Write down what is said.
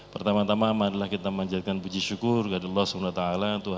pertama tama amatlah kita menjadikan puji syukur kepada allah swt tuhan ima kuasa